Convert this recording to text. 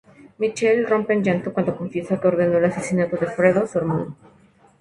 Michael rompe en llanto cuando confiesa que ordenó el asesinato de Fredo, su hermano.